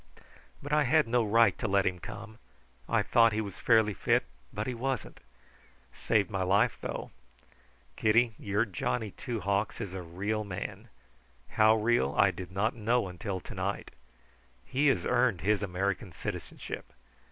But I had no right to let him come. I thought he was fairly fit, but he wasn't. Saved my life, though. Kitty, your Johnny Two Hawks is a real man; how real I did not know until to night. He has earned his American citizenship.